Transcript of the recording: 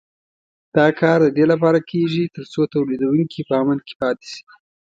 دا کار د دې لپاره کېږي تر څو تولیدوونکي په امن کې پاتې شي.